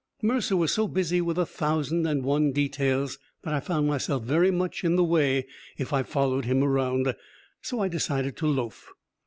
Mercer was so busy with a thousand and one details that I found myself very much in the way if I followed him around, so I decided to loaf.